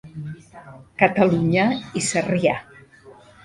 Catalunya i Sarrià.